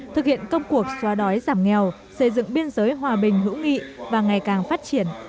thực hiện công cuộc xóa đói giảm nghèo xây dựng biên giới hòa bình hữu nghị và ngày càng phát triển